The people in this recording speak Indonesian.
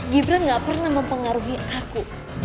gibran gak pernah mempengaruhi aku